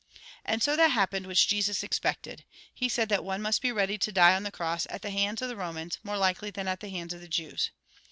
And so that happened which Jesus expected. He said that one must be ready to die on the cross at the hands of the Eomans, more likely than at the hands of the Jews.